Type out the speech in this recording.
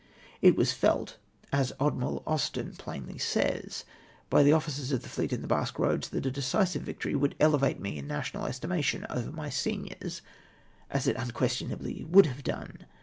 It was felt — as Admiral Austen plainly says — by the officers of the fleet in Basque Eoads, that a decisive victory would elevate me in national estimation over my seniors, as it unquestionably would have done.